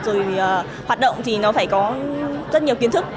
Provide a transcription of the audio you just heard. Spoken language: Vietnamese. tạo ra sản phẩm rồi hoạt động thì nó phải có rất nhiều kiến thức